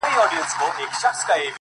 پاچا لگیا دی وه زاړه کابل ته رنگ ورکوي’